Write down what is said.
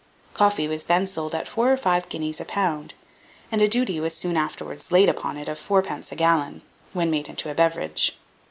Coffee was then sold at four or five guineas a pound, and a duty was soon afterwards laid upon it of fourpence a gallon, when made into a beverage.